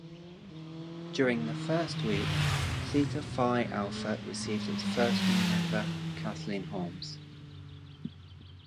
During the first week, Theta Phi Alpha received its first new member, Kathlyn Holmes.